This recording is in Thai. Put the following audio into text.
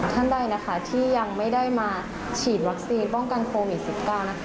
ท่านใดนะคะที่ยังไม่ได้มาฉีดวัคซีนป้องกันโควิด๑๙นะคะ